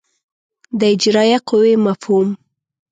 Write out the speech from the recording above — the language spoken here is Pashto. د اجرایه قوې مفهوم